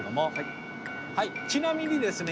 ちなみにですね